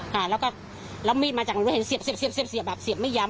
ค่ะแล้วก็แล้วมีดมาจากนั้นเห็นเสียบเสียบเสียบเสียบแบบเสียบไม่ย้ำค่ะ